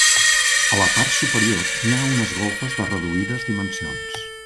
A la part superior n'hi ha unes golfes de reduïdes dimensions.